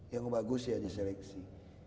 yang bagus ya diseleksi